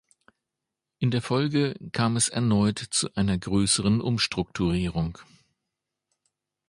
In der Folge kam es erneut zu einer größeren Umstrukturierung.